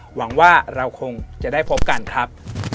หวังว่าเราคงจะได้พบกันครับ